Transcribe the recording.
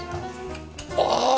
ああ！